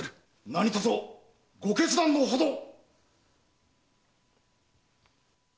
何とぞご決断のほどを！